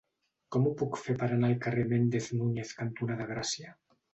Com ho puc fer per anar al carrer Méndez Núñez cantonada Gràcia?